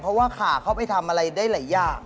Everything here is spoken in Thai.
เพราะว่าขาเข้าไปทำอะไรได้หลายอย่าง